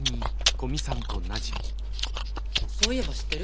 そういえば知ってる？